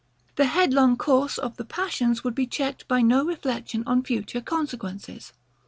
The headlong course of the passions would be checked by no reflection on future consequences.